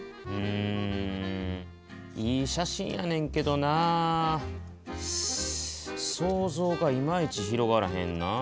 うんいい写真やねんけどな想像がいまいち広がらへんな。